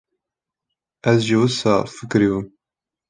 - Ez jî wisa fikirîbûm.